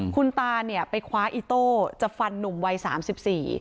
คุณตาเนี่ยไปคว้าอีโต้จะฟันหนุ่มวัยสามสิบสี่